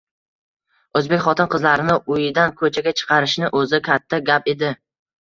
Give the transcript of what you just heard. O’zbek xotin-qizlarini uyidan ko‘chaga chiqarishni o‘zi... katta gap edi!